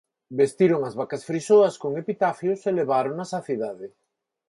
Vestiron as vacas frisoas con epitafios e leváronas á cidade.